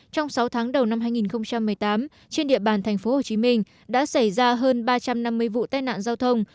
trong sáu tháng đầu năm hai nghìn một mươi tám trên địa bàn tp hcm đã xảy ra hơn ba trăm năm mươi vụ tai nạn giao thông